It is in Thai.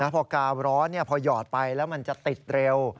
พอกาวร้อนพอหยอดไปแล้วมันจะติดเร็ว